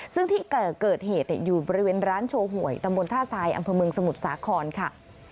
ซึ่งที่เกิดเหตุอยู่บริเวณร้านโชว์หวยตำบลท่าทรายอำเภอเมืองสมุทรสาครค่ะ